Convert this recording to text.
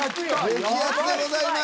激熱でございます。